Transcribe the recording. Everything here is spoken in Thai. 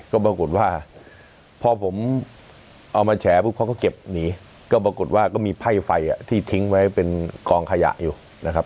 ก็ปรากฏว่าพอผมเอามาแฉปุ๊บเขาก็เก็บหนีก็ปรากฏว่าก็มีไพ่ไฟที่ทิ้งไว้เป็นกองขยะอยู่นะครับ